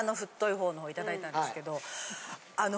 方のいただいたんですけどあの。